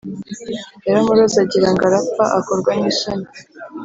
Yaramuroze agirango arapfa akorwa nisoni